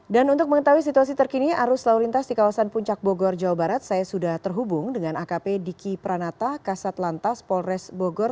dan untuk mengetahui situasi terkini arus lalu lintas di kawasan puncak bogor jawa barat saya sudah terhubung dengan akp diki pranata kasat lantas polres bogor